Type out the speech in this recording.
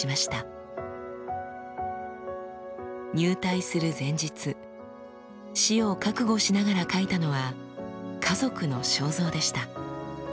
入隊する前日死を覚悟しながら描いたのは家族の肖像でした。